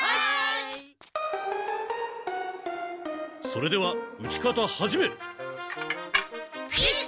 それでは打ち方始め！